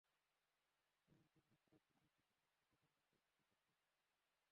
এবার কন্যা সারার সঙ্গে একটি সেলফি তুলে টুইটারে পোস্ট করেছেন টেন্ডুলকার।